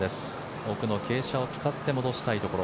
奥の傾斜を使って戻したいところ。